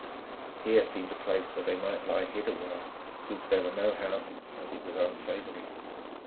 Here seemed a place where they might lie hid awhile, since there were no houses and it was unsavoury.